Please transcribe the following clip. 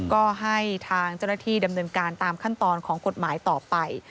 ก็ให้ทางเจ้าหน้าที่ดำเนินการตามขั้นตอนของกฎหมายต่อไป